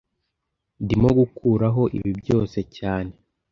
Ndimo gukuraho ibi byose cyane